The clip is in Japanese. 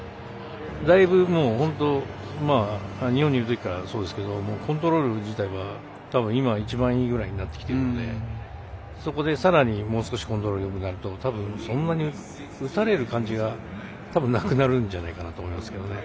だいぶ、日本にいるときからそうですけどコントロール自体は今一番いいぐらいになってきているのでそこで、さらにもう少しコントロールよくなるとたぶん、そんなに打たれる感じがたぶんなくなるんじゃないかなと思いますけどね。